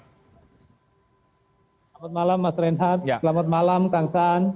selamat malam mas renhat selamat malam kang saan